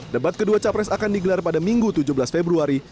debat kedua capres akan digelar pada minggu tujuh belas februari